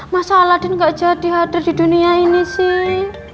masa aladin gak jadi hadir di dunia ini sih